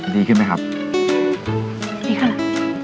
ดีขึ้นไหมครับดีค่ะ